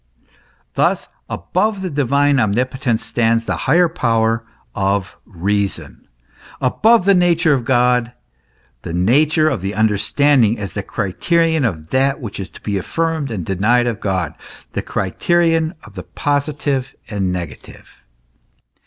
Thus above the divine omnipotence stands the higher power of reason ; above the nature of God the nature of the understanding, as the criterion of that which is to be affirmed and denied of God, the criterion of the posi tive and negative.